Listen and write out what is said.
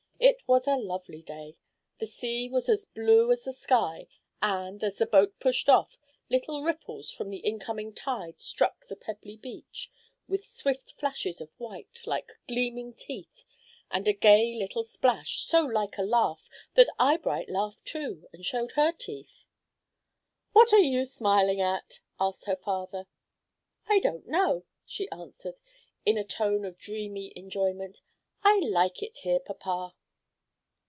It was a lovely day. The sea was as blue as the sky, and, as the boat pushed off, little ripples from the incoming tide struck the pebbly beach, with swift flashes of white, like gleaming teeth, and a gay little splash, so like a laugh that Eyebright laughed too, and showed her teeth. "What are you smiling at?" asked her father. "I don't know," she answered, in a tone of dreamy enjoyment. "I like it here, papa."